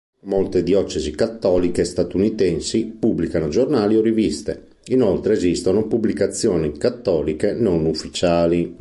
Molte diocesi cattoliche statunitensi pubblicano giornali o riviste; inoltre esistono pubblicazioni cattoliche non ufficiali.